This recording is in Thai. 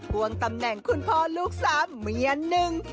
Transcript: วงตำแหน่งคุณพ่อลูกสามเมียหนึ่ง